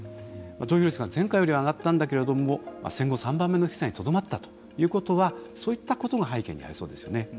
投票率が前回よりは上がったんだけれども戦後３番目の低さにとどまったということはそういったことが背景にありそうですよね。